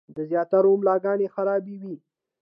نو د زياترو ملاګانې خرابې وي -